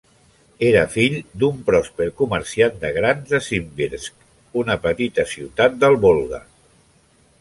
Era fill d'un pròsper comerciant de grans de Simbirsk, una petita ciutat del Volga.